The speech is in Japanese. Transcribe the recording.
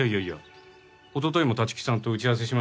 おとといも立木さんと打ち合わせしましたよ。